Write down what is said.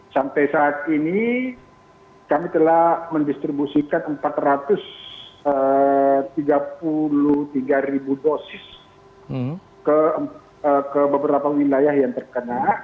sampai saat ini kami telah mendistribusikan empat ratus tiga puluh tiga ribu dosis ke beberapa wilayah yang terkena